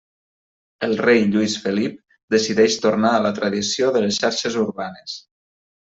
El Rei Lluís Felip decideix tornar a la tradició de les xarxes urbanes.